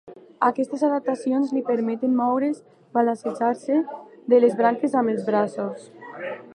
Aquestes adaptacions li permeten moure's balancejant-se de les branques amb els braços.